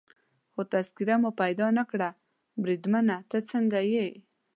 خو تذکیره مو پیدا نه کړل، بریدمنه ته څنګه یې؟